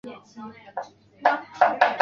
内雷人口变化图示